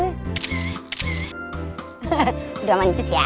udah mancus ya